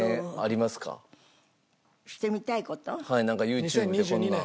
ＹｏｕＴｕｂｅでこんなん。